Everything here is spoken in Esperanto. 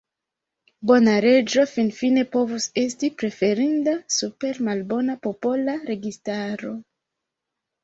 Bona reĝo finfine povus esti preferinda super malbona popola registaro.